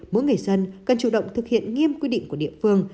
mỗi người dân cần chủ động thực hiện nghiêm quy định của địa phương